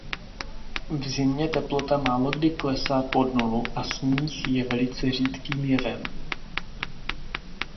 V zimě teplota málokdy klesá pod nulu a sníh je velice řídkým jevem.